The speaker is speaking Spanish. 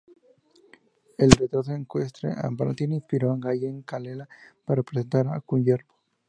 El "Retrato ecuestre" de Martini inspiró a Gallen-Kallela para representar a Kullervo.